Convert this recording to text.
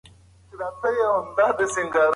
یووالی تر نفاق ډېر ځواک لري.